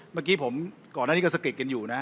เมื่อกี้ผมก่อนหน้านี้ก็สะกิดกันอยู่นะ